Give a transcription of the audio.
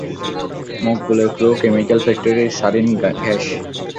মকবুলের clue, chemical factory, sarin gas.